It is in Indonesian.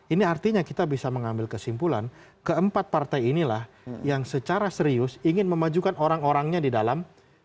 ini artinya kita bisa mengambil kesimpulan keempat partai inilah yang secara serius ingin memajukan orang orangnya di dalam